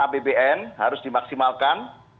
apbn harus dimaksimalkan